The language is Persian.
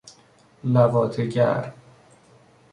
لواطه گر